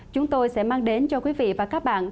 chúng tôi sẽ mang đến outside